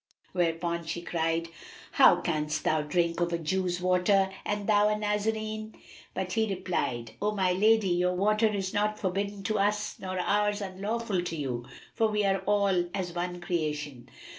Whereupon she cried, "How canst thou drink of a Jew's water, and thou a Nazarene?" But he replied, "O my lady, your water is not forbidden to us nor ours unlawful to you, for we are all as one creation."